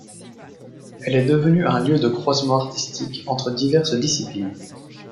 Elle est devenue un lieu de croisement artistique entre diverses disciplines.